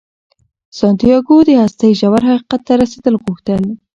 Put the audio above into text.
سانتیاګو د هستۍ ژور حقیقت ته رسیدل غوښتل.